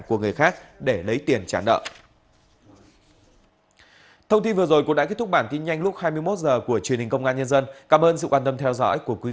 của người khác để lấy tiền trả nợ